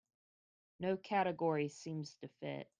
No category seems to fit.